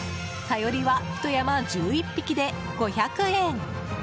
サヨリはひと山１１匹で５００円。